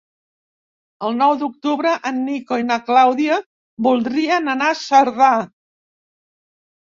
El nou d'octubre en Nico i na Clàudia voldrien anar a Cerdà.